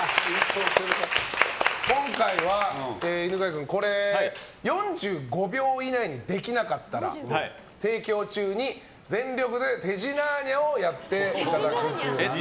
今回は犬飼君４５秒以内にできなかったら提供中に全力で、てじなーにゃをやっていただくという。